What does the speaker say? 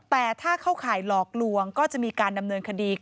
แต่ถ้าเข้าข่ายหลอกลวงก็จะมีการดำเนินคดี